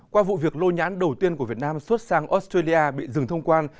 qua vụ việc lô nhãn đầu tiên của việt nam xuất sang australia bị dừng thông quan